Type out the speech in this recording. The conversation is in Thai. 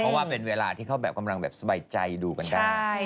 เพราะว่าเป็นเวลาที่เขาแบบกำลังแบบสบายใจดูกันได้